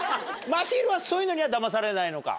まひるはそういうのにはだまされないのか？